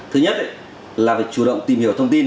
thứ nhất là phải chủ động tìm hiểu thông tin